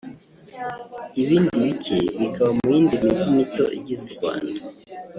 ibindi bike bikaba mu yindi mijyi mito igize u Rwanda